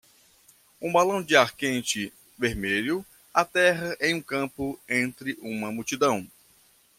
Um balão de ar quente vermelho aterra em um campo entre uma multidão.